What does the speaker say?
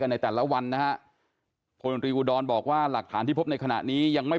ในแต่ละวันนะฮะพลตรีอุดรบอกว่าหลักฐานที่พบในขณะนี้ยังไม่